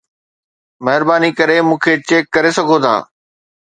مهرباني ڪري مون کي چيڪ ڪري سگهو ٿا